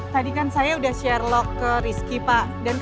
tadi kan saya udah share log ke rizky pak